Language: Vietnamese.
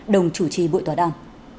đồng chủ trì buổi tòa đàm